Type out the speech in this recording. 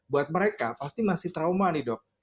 buat mereka pasti masih trauma nih dok